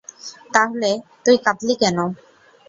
তাহলে তুই কাঁদলি কেন?